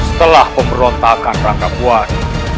setelah pemberontakan rangka kuat